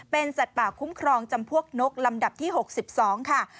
เป็นสัตว์ป่าคุ้มครองจำพวกนกลำดับที่๖๒ค่ะ